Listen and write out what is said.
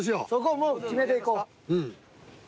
そこもう決めていこう。